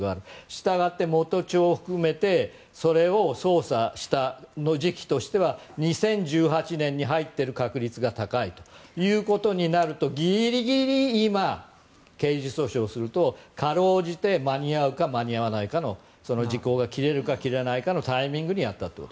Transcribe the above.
したがって元帳を含めてそれを捜査した時期としては２０１８年に入っている確率が高いということになるとギリギリ今、刑事訴訟すると辛うじて間に合うか間に合わないかのその時効が切れるか切れないかのタイミングにやったと。